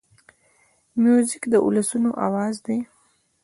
موزیک د ولسونو آواز دی.